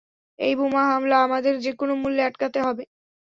এই বোমা হামলা আমাদের যেকোন মূল্যে আটকাতে হবে।